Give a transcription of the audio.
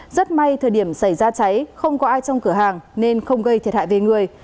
rất may thời điểm xảy ra cháy không có ai trong cửa hàng nên không gây thiệt hại về người